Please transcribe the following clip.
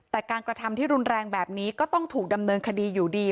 แต่การกระทำที่รุนแรงแบบนี้ก็ต้องถูกดำเนินคดีอยู่ดี